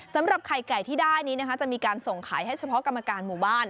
สำหรับไข่ไก่ที่ได้นี้นะคะจะมีการส่งขายให้เฉพาะกรรมการหมู่บ้าน